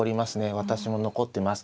私も残ってます。